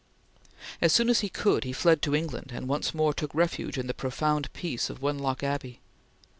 As soon as he could, he fled to England and once more took refuge in the profound peace of Wenlock Abbey.